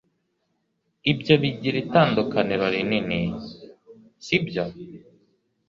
Ibyo bigira itandukaniro rinini, sibyo?